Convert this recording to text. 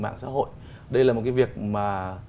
mạng xã hội đây là một cái việc mà